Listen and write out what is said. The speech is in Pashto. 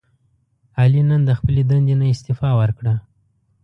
علي نن د خپلې دندې نه استعفا ورکړه.